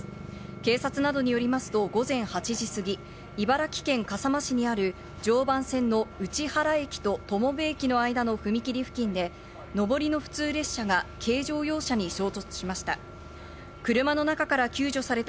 警察などによりますと午前８時過ぎ、茨城県笠間市にある常磐線の内原駅と友部駅の間の踏切付近で、上りの普通列車が軽乗用車に衝突しました。